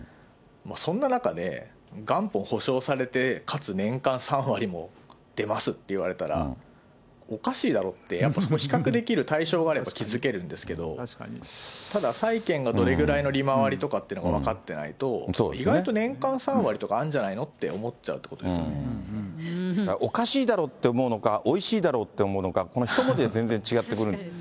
そんな中で、元本保証されて、かつ年間３割も出ますって言われたら、おかしいだろって、比較できる対象があれば気付けるんですけど、ただ債券がどれぐらいの利回りとかってのが分かってないと、意外と年間３割とかあるんじゃないのとかって思っちゃうってことおかしいだろうって思うのか、おいしいだろうって思うのか、このひと言で全然違ってくる。